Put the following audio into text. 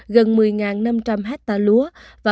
gần một mươi năm trăm linh hecta lúa